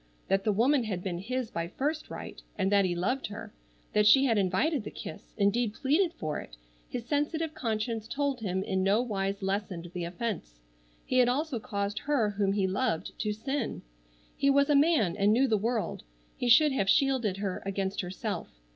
That the woman had been his by first right, and that he loved her: that she had invited the kiss, indeed pleaded for it, his sensitive conscience told him in no wise lessened the offense. He had also caused her whom he loved to sin. He was a man and knew the world. He should have shielded her against herself.